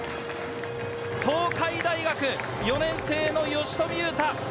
東海大学４年生の吉冨裕太。